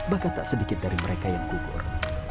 bahkan tak sedikit dari mereka yang kukur